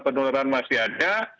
penularan masih ada